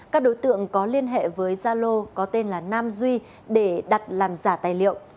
các đối tượng có liên hệ với gia lô có tên là nam duy để đặt làm giả tài liệu